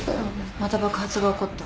また爆発が起こった。